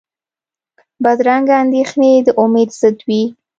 بدرنګه اندېښنې د امید ضد وي